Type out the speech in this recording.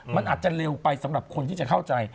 มันอาจจะเร็วไปสำหรับคนที่จะเข้าใจ